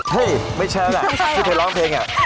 เฮ้ยไม่ใช่แล้วแหละชิคกี้พายร้องเพลงอ่ะไม่น่าใช่